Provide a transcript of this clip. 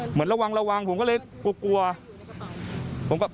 เหมือนระวังผมก็เลยกลัวผมก็คิดว่าพวกเขาจะอยู่ในกระเป๋า